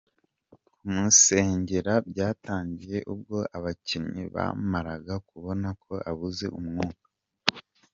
Kumusengera byatangiye ubwo abakinnyi bamaraga kubona ko abuze umwuka.